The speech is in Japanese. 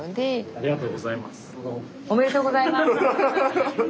ありがとうございます。